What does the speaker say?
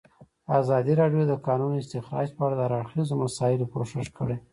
ازادي راډیو د د کانونو استخراج په اړه د هر اړخیزو مسایلو پوښښ کړی.